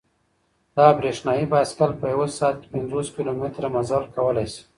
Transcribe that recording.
دا برېښنايي بایسکل په یوه ساعت کې پنځوس کیلومتره مزل کولای شي.